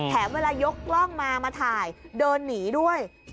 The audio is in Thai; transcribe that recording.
เวลายกกล้องมามาถ่ายเดินหนีด้วย